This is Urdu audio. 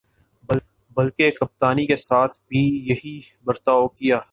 بلکہ کپتانی کے ساتھ بھی یہی برتاؤ کیا۔